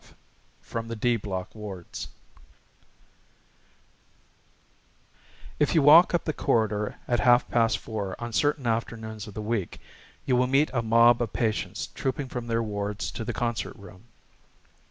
V FROM THE "D" BLOCK WARDS If you walk up the corridor at half past four on certain afternoons of the week you will meet a mob of patients trooping from their wards to the concert room.